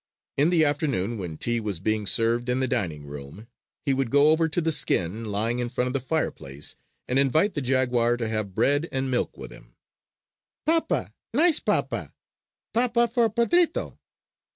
In the afternoon when tea was being served in the dining room, he would go over to the skin lying in front of the fireplace and invite the jaguar to have bread and milk with him: "Papa, nice papa! Papa for Pedrito!